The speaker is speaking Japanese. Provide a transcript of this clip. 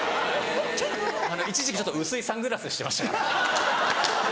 一時期薄いサングラスしてました。